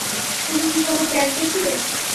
তুমি কি কোনো ব্যান্ডে ছিলে?